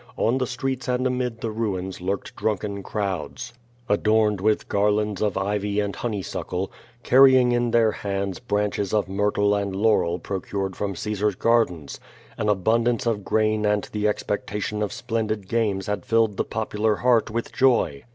On the streets and amid the ruins lurked drunken crowds, adorned with garlands of ivy and honey suckle, earr}ang in their hands branches of myrtle and laurel procured from Caesar's gardens. An abundance of grain and the expectation of splendid games had filled the popular heart with joy.